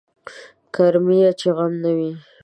کرميه چې غم نه وي.